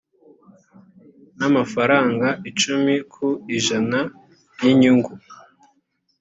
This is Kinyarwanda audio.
n amafaranga icumi ku ijana y inyugu